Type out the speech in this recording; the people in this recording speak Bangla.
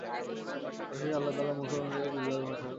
অবশেষে আল্লাহ তাআলা মুসলমানদের জন্য বিজয়ের ফয়সালা করলেন।